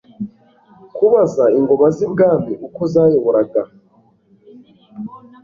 Kubaza Ingoma z'i Bwami uko zayoboraga